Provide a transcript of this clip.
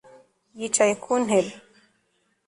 yicaye ku ntebe